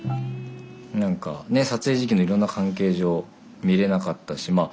何か撮影時期のいろんな関係上見れなかったしまあ